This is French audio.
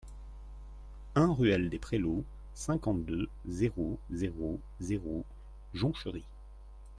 un ruelle des Prélots, cinquante-deux, zéro zéro zéro, Jonchery